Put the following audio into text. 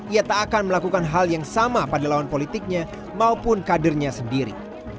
ia tak akan melakukan hal yang sama pada lawan politiknya maupun kadernya sendiri